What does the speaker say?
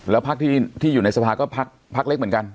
แล้วพักที่อยู่ในสภาก็พักเล็กเหมือนกัน